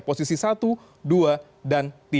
posisi satu dua dan tiga